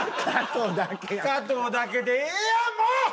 加藤だけでええやんもう！